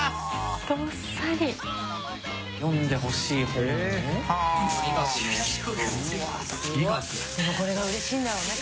でもこれがうれしいんだろうね